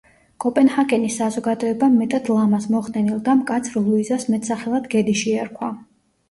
კოპენჰაგენის საზოგადოებამ მეტად ლამაზ, მოხდენილ და მკაცრ ლუიზას მეტსახელად „გედი“ შეარქვა.